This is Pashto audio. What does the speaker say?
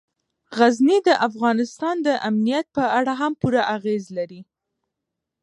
غزني د افغانستان د امنیت په اړه هم پوره اغېز لري.